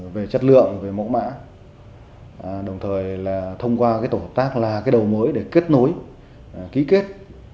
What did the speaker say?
về chất lượng về mẫu mã đồng thời là thông qua tổ hợp tác là đầu mối để kết nối ký kết